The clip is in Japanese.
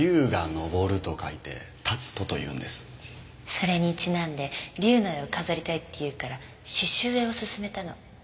それにちなんで龍の絵を飾りたいって言うから刺繍絵を勧めたの。